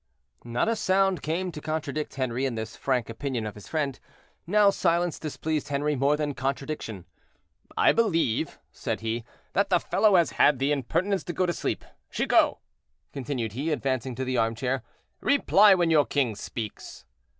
Not a sound came to contradict Henri in this frank opinion of his friend. Now silence displeased Henri more than contradiction. "I believe," said he, "that the fellow has had the impertinence to go to sleep. Chicot!" continued he, advancing to the armchair; "reply when your king speaks."